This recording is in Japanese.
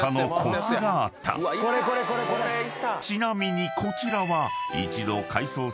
［ちなみにこちらは］